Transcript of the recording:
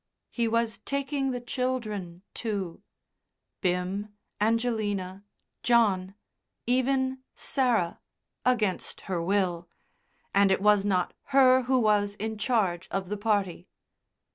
He was taking the children too Bim, Angelina, John, even Sarah (against her will), and it was not her who was in charge of the party.